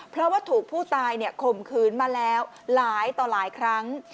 เพราะว่าถูกผู้ตายข่มขืนมาแล้วหลายต่อหลายครั้ง